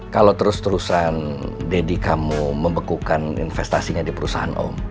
kalau terus terusan deddy kamu membekukan investasinya di perusahaan om